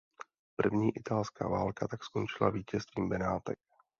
První italská válka tak skončila vítězstvím Benátek.